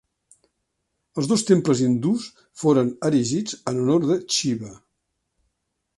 Els dos temples hindús foren erigits en honor de Xiva.